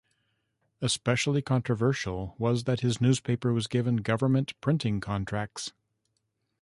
Especially controversial was that his newspaper was given government printing contracts.